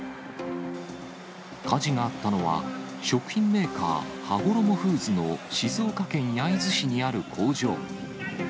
火事があったのは、食品メーカー、はごろもフーズの静岡県焼津市にある工場。